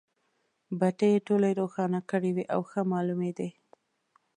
بټۍ یې ټولې روښانه کړې وې او ښه مالومېدې.